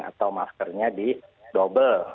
atau maskernya di double